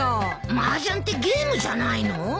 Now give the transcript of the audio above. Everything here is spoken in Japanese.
マージャンってゲームじゃないの？